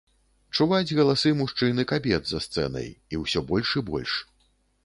Чуваць галасы мужчын і кабет за сцэнай, і ўсё больш і больш.